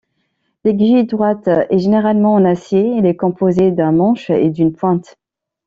L’aiguille droite est généralement en acier, elle est composée d'un manche et d'une pointe.